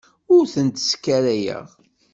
Ur tent-sskarayeɣ.